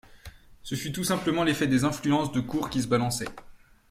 Ce fut tout simplement l'effet des influences de cour qui se balançaient.